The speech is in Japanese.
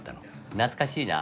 懐かしいな。